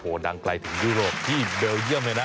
ดังไกลถึงยุโรปที่เบลเยี่ยมเลยนะ